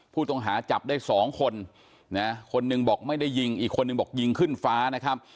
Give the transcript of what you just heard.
ผู้ต้องหาจับได้สองคนนะคนหนึ่งบอกไม่ได้ยิงอีกคนนึงบอกยิงขึ้นฟ้านะครับ